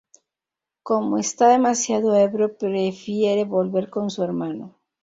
Como está demasiado ebrio, prefiere volver con su hermano.